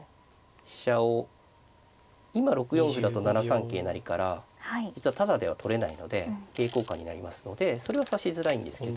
飛車を今６四歩だと７三桂成から実はタダでは取れないので桂交換になりますのでそれは指しづらいんですけど。